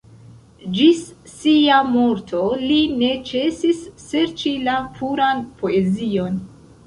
Ĝis sia morto li ne ĉesis serĉi la puran poezion.